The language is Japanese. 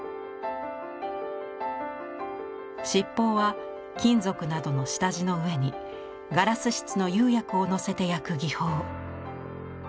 七宝は金属などの下地の上にガラス質の釉薬をのせて焼く技法。